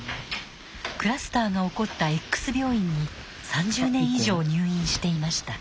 クラスターが起こったＸ病院に３０年以上入院していました。